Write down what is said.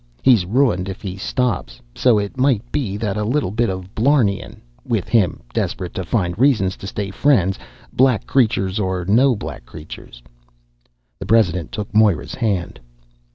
He's ruined if he stops. So it might be that a little bit of blarneyin' with him desperate to find reason to stay friends, black creature or no black creatures " The president took Moira's hand.